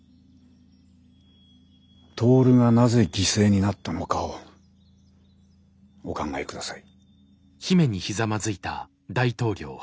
トオルがなぜ犠牲になったのかをお考え下さい。